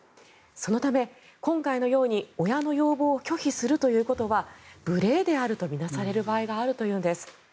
そのため今回のように親の要望を拒否するということは無礼であると見なされる場合があるというんです。